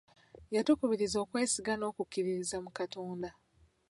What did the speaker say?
Yatukubirizza okwesiga n'okukkiririza mu Katonda.